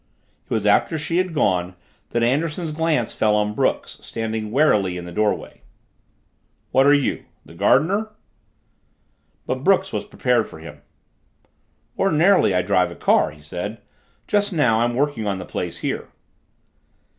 It was after she had gone that Anderson's glance fell on Brooks, standing warily in the doorway. "What are you? The gardener?" But Brooks was prepared for him. "Ordinarily I drive a car," he said. "Just now I'm working on the place here."